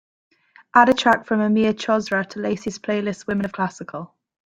Add a track from amir chosrau to lacey's playlist women of classical